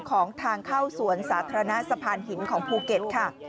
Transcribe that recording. ของทางเข้าสวนสาธารณะสะพานหินของภูเก็ตค่ะ